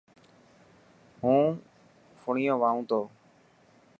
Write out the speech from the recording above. هون فڻنيون وائون تو.